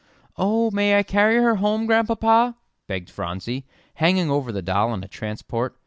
"Oh, may I carry her home, Grandpapa?" begged Phronsie, hanging over the doll in a transport.